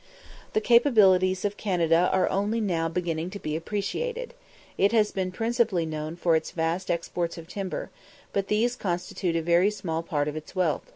The capabilities of Canada are only now beginning to be appreciated. It has been principally known for its vast exports of timber, but these constitute a very small part of its wealth.